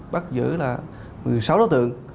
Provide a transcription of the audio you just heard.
bắt giữ là một mươi sáu đối tượng